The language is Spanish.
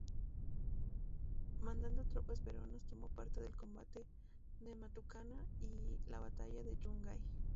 Mandando tropas peruanas tomo parte del combate de Matucana y la batalla de Yungay.